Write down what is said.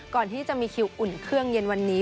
ก่อนที่จะมีคิวอุ่นเครื่องเย็นวันนี้